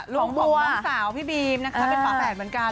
บอกน้องสาวพี่บีมนะคะเป็นฝาแฝดเหมือนกัน